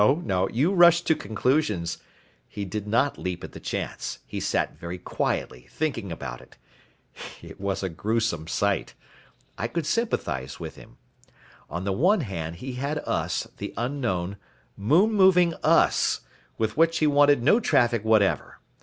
"No. You rush to conclusions. He did not leap at the chance. He sat very quietly thinking about it. It was a gruesome sight. I could sympathize with him. On the one hand he had us, the unknown, moon moving Us, with which he wanted no traffic whatever.